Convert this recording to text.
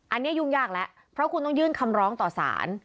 อันนี้ยุ่งยากแล้วเพราะคุณต้องยื่นคำร้องต่อสาร